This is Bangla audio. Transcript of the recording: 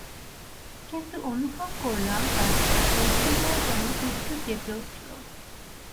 কিন্তু অনুভব করলাম তাঁর ঠোঁটদুটো যেন একটু কেঁপে উঠল।